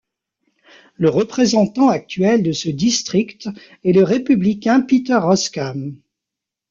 Le représentant actuel de ce district est le républicain Peter Roskam.